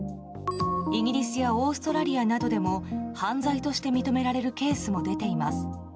イギリスやオーストラリアなどでも犯罪として認められるケースも出ています。